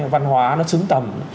văn hóa nó xứng tầm